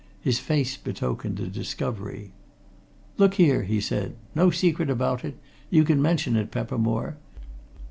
His face betokened a discovery. "Look here!" he said. "No secret about it you can mention it, Peppermore.